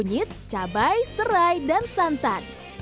kunyit cabai serai dan santan